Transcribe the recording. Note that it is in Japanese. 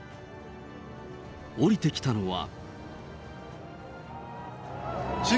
降りてきたのは。